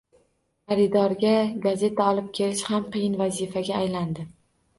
Xaridorga gazeta olib kelish ham qiyin vazifaga aylandi